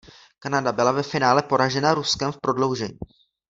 Kanada byla ve finále poražena Ruskem v prodloužení.